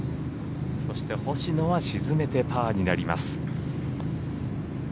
そして星野は沈めてパーになります。